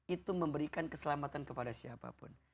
itu memberikan keselamatan kepada siapapun